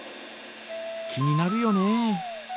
気になるよね。